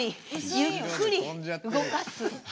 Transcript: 「ゆっくり動かす？」